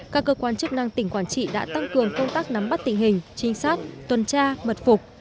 các cơ quan chức năng tỉnh quảng trị đã tăng cường công tác nắm bắt tình hình trinh sát tuần tra mật phục